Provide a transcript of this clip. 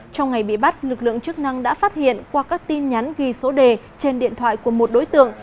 trong ngày bị bắt lực lượng chức năng đã phát hiện qua các tin nhắn ghi số đề trên điện thoại của một đối tượng